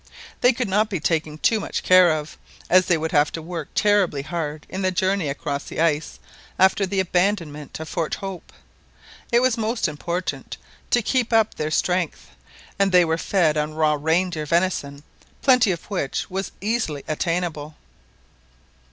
They could not be taken too much care of, as they would have to work terribly hard in the journey across the ice after the abandonment of Fort Hope. It was most important to keep up their strength, and they were fed on raw reindeer venison, plenty of which was easily attainable.